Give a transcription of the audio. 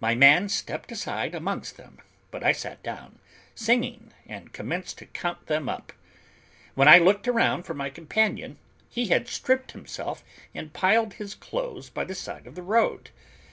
My man stepped aside amongst them, but I sat down, singing, and commenced to count them up. When I looked around for my companion, he had stripped himself and piled his clothes by the side of the road.